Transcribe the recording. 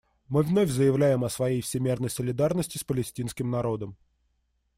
Мы вновь заявляем о своей всемерной солидарности с палестинским народом.